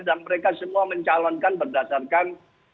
dan mereka semua mencalonkan berdasarkan